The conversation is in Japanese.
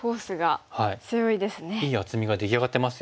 いい厚みが出来上がってますよね。